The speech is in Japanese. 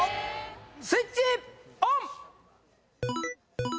スイッチオン！